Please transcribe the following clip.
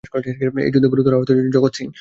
এই যুদ্ধে গুরুতর আহত হয়েছিলেন জগৎ সিং।